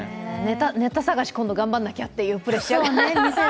ネタ探し今度頑張らなきゃっていうプレッシャーが。